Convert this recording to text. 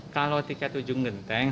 kalau tiket ujung genteng